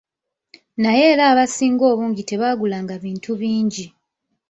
Naye era abasinga obungi tebaagulanga bintu bingi.